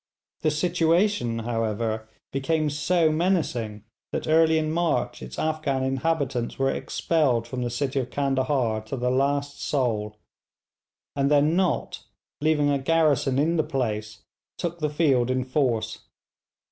The situation, however, became so menacing that early in March its Afghan inhabitants were expelled from the city of Candahar to the last soul; and then Nott, leaving a garrison in the place, took the field in force.